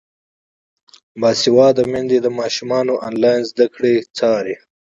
باسواده میندې د ماشومانو انلاین زده کړې څاري.